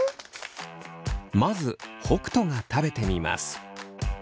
まず北斗が食べてみます。